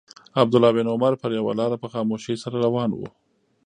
عبدالله بن عمر پر یوه لاره په خاموشۍ سره روان و.